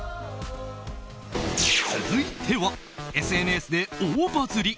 続いては、ＳＮＳで大バズり。